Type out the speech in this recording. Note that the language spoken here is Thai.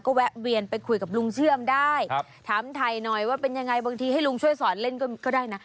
แวะเวียนไปคุยกับลุงเชื่อมได้ถามถ่ายหน่อยว่าเป็นยังไงบางทีให้ลุงช่วยสอนเล่นก็ได้นะ